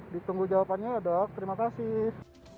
ditunggu jawabannya ya dok terima kasih